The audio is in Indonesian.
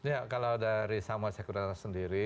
ya kalau dari samoa securities sendiri